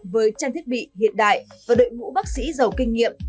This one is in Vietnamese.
với trang thiết bị hiện đại và đội ngũ bác sĩ giàu kinh nghiệm